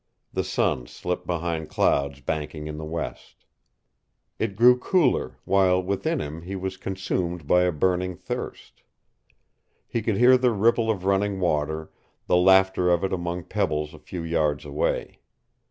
The sun slipped behind clouds banking in the west. It grew cooler, while within him he was consumed by a burning thirst. He could hear the ripple of running water, the laughter of it among pebbles a few yards away.